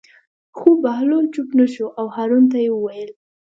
خو بهلول چوپ نه شو او هارون ته یې وویل.